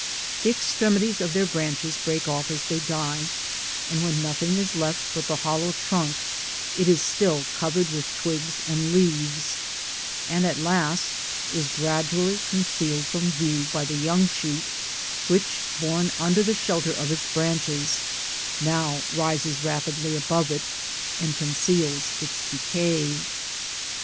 The extremities of their branches break off as they die, and when nothing is left but the hollow trunk, it is still covered with twigs and leaves, and at last is gradually oon cealed from view by the young shoot, which, born under the shelter of its branches, now rises rapidly above it, and conceals its decay.